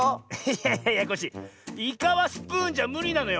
いやいやコッシーイカはスプーンじゃむりなのよ。